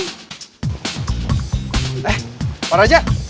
eh pak raja